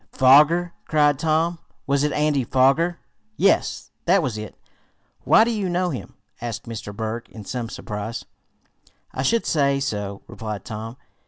"Foger!" cried Tom. "Was it Andy Foger?" "Yes, that was it. Why, do you know him?" asked Mr. Berg in some surprise. "I should say so," replied Tom.